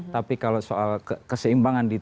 tapi kalau soal keseimbangan di tim